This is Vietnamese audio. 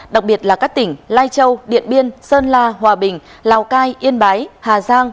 đặc biệt là các tỉnh lai châu điện biên sơn la hòa bình lào cai yên bái hà giang